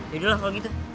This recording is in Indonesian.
yaudah lah kalo gitu